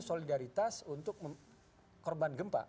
solidaritas untuk korban gempa